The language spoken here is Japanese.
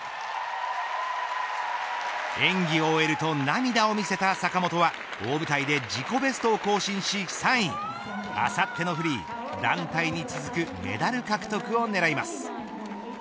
演技を終えると涙を見せた坂本は大舞台で自己ベストを更新し３位あさってのフリー、団体に続くメダル獲得を狙います。